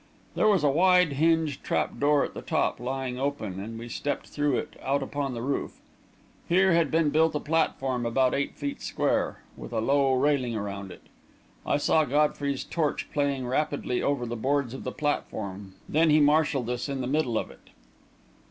There was a wide, hinged trap door at the top, lying open, and we stepped through it out upon the roof. Here had been built a platform about eight feet square, with a low railing around it. I saw Godfrey's torch playing rapidly over the boards of the platform, then he marshalled us in the middle of it.